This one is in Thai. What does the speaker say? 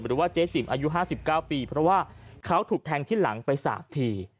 หรือว่าเจ๊จิ๋มอายุ๕๙ปีเพราะว่าเขาถูกแทงที่หลังไป๓ที